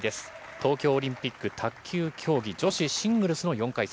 東京オリンピック卓球競技女子シングルスの４回戦。